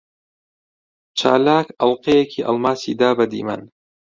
چالاک ئەڵقەیەکی ئەڵماسی دا بە دیمەن.